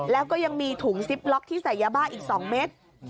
แล้วก็ยังมีถุงซิปล็อกที่ใส่ยาบ้าอีก๒เม็ด